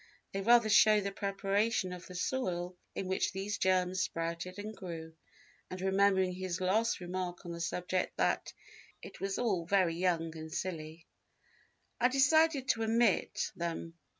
They rather show the preparation of the soil in which those germs sprouted and grew; and, remembering his last remark on the subject that "it was all very young and silly," I decided to omit them.